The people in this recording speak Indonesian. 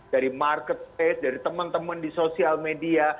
dari market space dari teman teman di sosial media